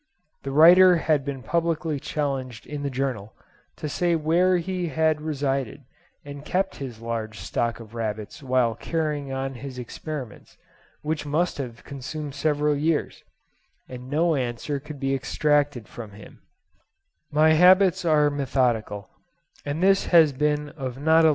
The writer had been publicly challenged in the Journal to say where he had resided and kept his large stock of rabbits while carrying on his experiments, which must have consumed several years, and no answer could be extracted from him.